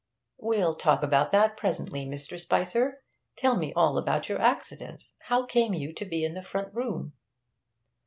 'We'll talk about that presently, Mr. Spicer. Tell me all about your accident. How came you to be in the front room?'